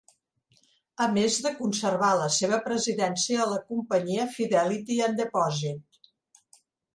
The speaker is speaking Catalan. A més de conservar la seva presidència a la Companyia Fidelity and Deposit.